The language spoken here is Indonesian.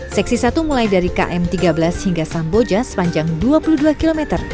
seksi satu mulai dari km tiga belas hingga samboja sepanjang dua puluh dua km